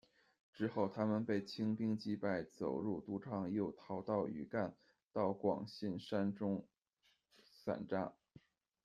之后他们被清兵击败，走入都昌，又逃到余干，到广信山中散扎。